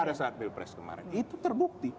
pada saat pilpres kemarin itu terbukti